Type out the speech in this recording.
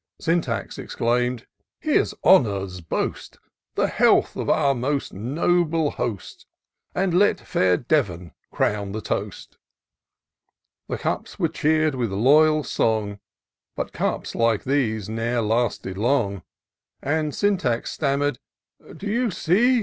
Syntax exclaim'd, " Here's Honour's boast ; The health of our most noble Host — And let fair Devon crown the toast." The cups were cheer'd with loyal song ; But cups like these ne'er lasted long. And Syntax stammer'd, " Do you see ?